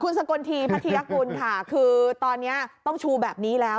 คุณสกลทีผที่ภายคุณค่ะคือตอนนี้ต้องชูแบบนี้แล้ว